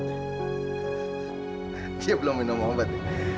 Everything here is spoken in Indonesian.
dia belum minum obat